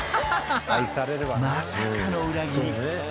［まさかの裏切り］